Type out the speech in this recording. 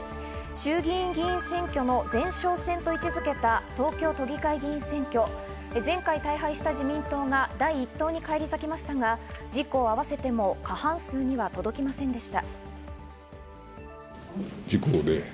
衆議院議員選挙の前哨戦と位置付けた東京都議会議員選挙、前回大敗した自民党が第１党に返り咲きましたが、自公を合わせても過半数には届きませんでした。